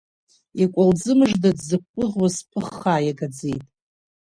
Икәалӡы мыжда дзықәгәыӷуаз ԥыххаа иагаӡеит.